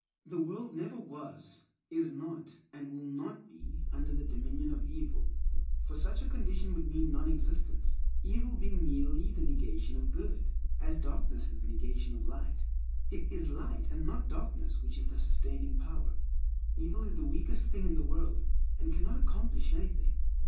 The world never was, is not, and will not be, under the dominion of evil, for such a condition would mean non existence, evil being merely the negation of good, as darkness is the negation of light. It is light, and not darkness which is the sustaining power. Evil is the weakest thing in the world, and cannot accomplish anything.